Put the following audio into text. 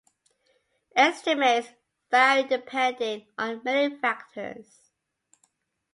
Estimates vary depending on many factors.